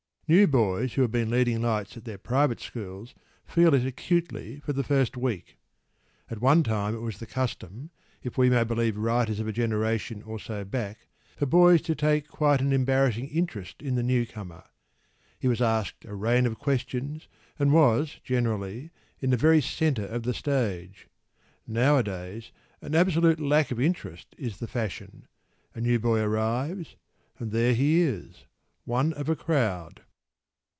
New boys who have been leading lights at their private schools feel it acutely for the first week.  At one time it was the custom, if we may believe writers of a generation or so back, for boys to take quite an embarrassing interest in the newcomer.  He was asked a rain of questions, and was, generally, in the very centre of the stage.  Nowadays an absolute lack of interest is the fashion.  A new boy arrives, and there he is, one of a crowd.